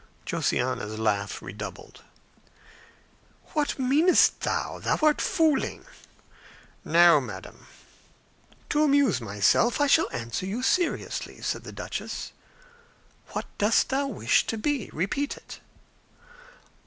Josiana's laugh redoubled. "What meanest thou? Thou art fooling." "No, madam." "To amuse myself, I shall answer you seriously," said the duchess. "What dost thou wish to be? Repeat it."